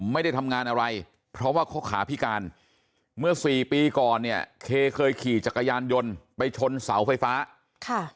ไม่ได้ทำงานอะไรเพราะว่าเขาขาพิการเมื่อสี่ปีก่อนเนี่ยเคเคยขี่จักรยานยนต์ไปชนเสาไฟฟ้าค่ะ